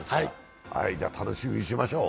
じゃ楽しみにしましょう。